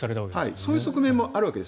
そういう側面もあるわけです。